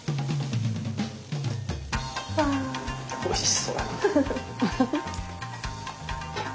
おいしそうだな。